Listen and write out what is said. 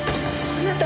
あなた！